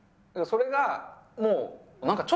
それがもう。